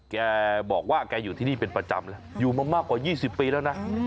แกบอกว่าแกอยู่ที่นี่เป็นประจำแล้วอยู่มามากกว่า๒๐ปีแล้วนะ